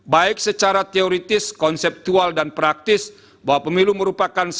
baik secara teoritis konseptual dan praktis bahwa pemilu merupakan